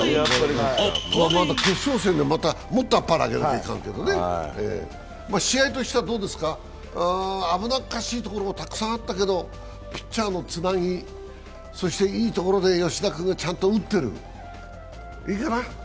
決勝戦でまたもっと、あっぱれあげないといかんですけどね試合としてはどうですか、危なっかしいところもたくさんあったけどピッチャーのつなぎ、そしていいところで吉田君がちゃんと打ってる、いいかな。